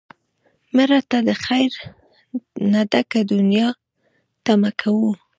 مړه ته د خیر نه ډکه دنیا تمه کوو